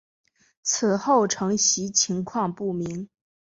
此后承袭情况不明。